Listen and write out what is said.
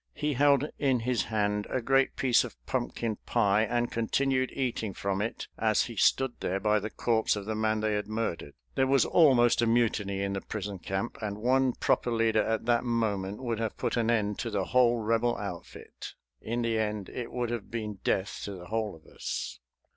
He held in his hand a great piece of pumpkin pie, and continued eating from it as he stood there by the corpse of the man they had murdered. There was almost a mutiny in the prison camp, and one proper leader at that moment would have put an end to the whole Rebel outfit. In the end it would have been death to the whole of us.